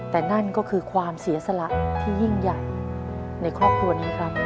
แต่นั่นก็คือความเสียสละที่ยิ่งใหญ่ในครอบครัวนี้ครับ